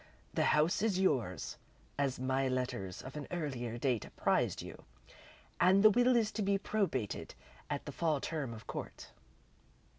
The house is yours, as my letters of an earlier date apprised you, and the will is to be probated at the Fall term of court.